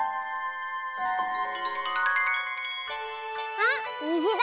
あっにじだ！